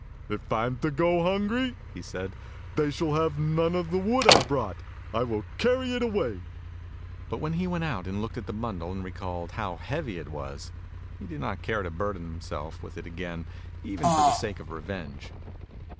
"If I'm to go hungry," he said, "they shall have none of the wood I brought. I will carry it away." But when he went out and looked at the bundle, and recalled how heavy it was, he did not care to burden himself with it again, even for the sake of revenge.